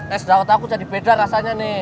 eh sedangkan aku jadi beda rasanya nih